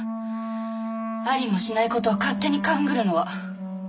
ありもしないことを勝手に勘ぐるのは。